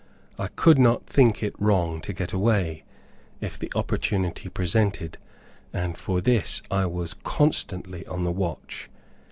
I could not think it wrong to get away, if the opportunity presented, and for this I was constantly on the watch.